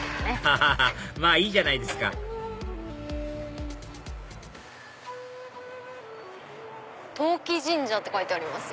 ハハハハまぁいいじゃないですか「陶器神社」って書いてありますよ。